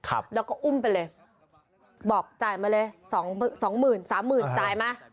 แล้วก็อุ้มไปเลยบอกจ่ายมาเลย๒๓หมื่นจ่ายมา